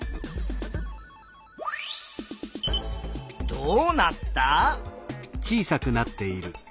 どうなった？